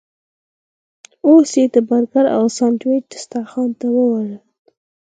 اوس یې د برګر او ساندویچ دسترخوان ته واړولو.